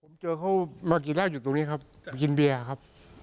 ผมเจอเขามากินเหล้าอยู่ตรงนี้ครับกินเบียร์ครับ